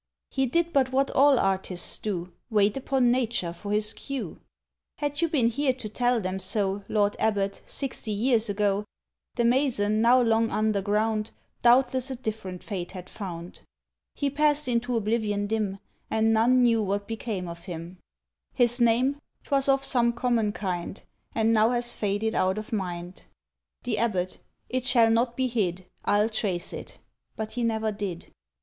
"He did but what all artists do, Wait upon Nature for his cue." —"Had you been here to tell them so Lord Abbot, sixty years ago, "The mason, now long underground, Doubtless a different fate had found. "He passed into oblivion dim, And none knew what became of him! "His name? 'Twas of some common kind And now has faded out of mind." The Abbot: "It shall not be hid! I'll trace it." ... But he never did.